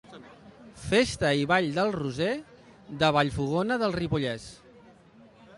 Festa i Ball del Roser de Vallfogona del Ripollès.